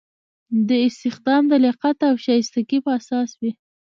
دا استخدام د لیاقت او شایستګۍ په اساس وي.